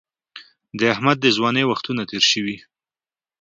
د احمد د ځوانۍ وختونه تېر شوي.